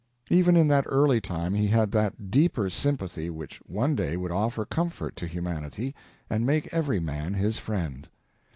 Even in that early time he had that deeper sympathy which one day would offer comfort to humanity and make every man his friend.